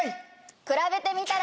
くらべてみたら！